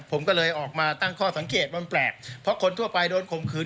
ผมก็เลยออกมาตั้งข้อสังเกตว่ามันแปลกเพราะคนทั่วไปโดนข่มขืน